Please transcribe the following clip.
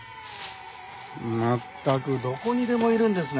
まったくどこにでもいるんですね